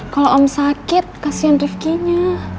kalau om sakit kasihan rifkinya